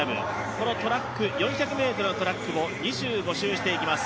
このトラック４００ｍのトラックを２５周していきます。